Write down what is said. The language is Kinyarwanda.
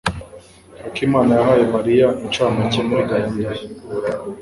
akimana yahaye Mariya incamake muri gahunda ye.